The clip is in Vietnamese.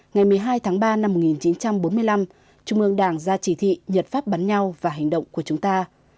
ngày một mươi hai tháng ba năm một nghìn chín trăm bốn mươi năm trung ương đảng ra chỉ thị nhật pháp bắn nhau và hành động của chúng ta